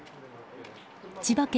千葉県